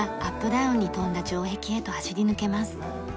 ダウンに富んだ城壁へと走り抜けます。